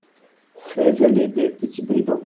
seize allée des Petits Brivins